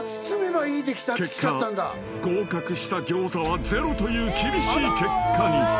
［結果合格した餃子はゼロという厳しい結果に］